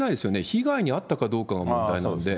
被害に遭ったかどうかが問題なんで。